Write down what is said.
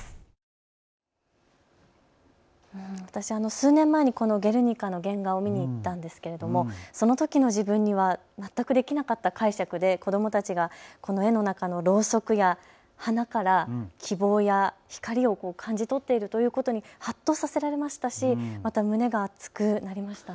数年前にこのゲルニカ見たんですけれどもそのときの自分には全くできなかった解釈で子どもたちがこの絵の中のろうそくや花から希望や光を感じ取っているということに、はっとさせられましたしまた胸が熱くなりました。